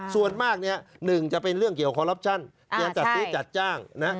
ส่วนมากเนี่ยหนึ่งจะเป็นเรื่องเกี่ยวขอรับชั่นจัดสืบจัดจ้างนะครับ